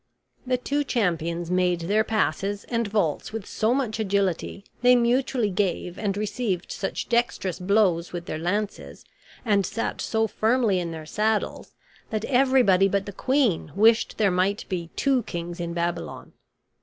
The two champions made their passes and vaults with so much agility, they mutually gave and received such dexterous blows with their lances, and sat so firmly in their saddles, that everybody but the queen wished there might be two kings in Babylon.